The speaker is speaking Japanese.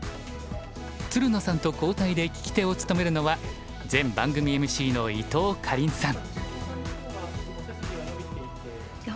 つるのさんと交代で聞き手を務めるのは前番組ＭＣの伊藤かりんさん。